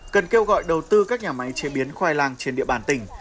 cần kêu gọi đầu tư các nhà máy chế biến khoai lang trên địa bàn tỉnh